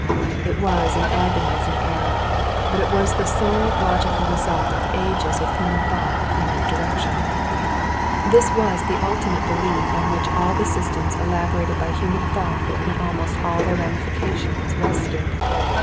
It was an agonizing error, but it was the sole logical result of ages of human thought in that direction. This was the ultimate belief on which all the systems elaborated by human thought in almost all their ramifications rested.